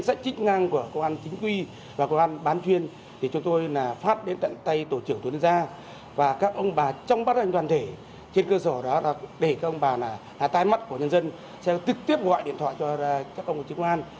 sau đó là để các ông bà là tai mắt của nhân dân sẽ tiếp tiếp gọi điện thoại cho các ông chính an